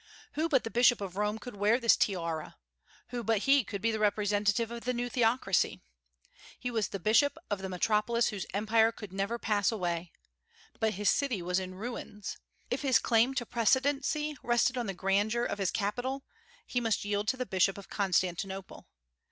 Who but the Bishop of Rome could wear this tiara? Who but he could be the representative of the new theocracy? He was the bishop of the metropolis whose empire never could pass away. But his city was in ruins. If his claim to precedency rested on the grandeur of his capital, he must yield to the Bishop of Constantinople.